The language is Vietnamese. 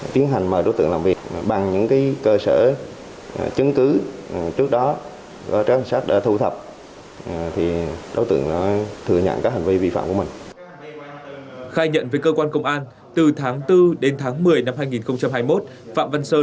tiến hành mời đối tượng làm việc bằng những cơ sở chứng cứ trước đó của các trinh sát đã thu thập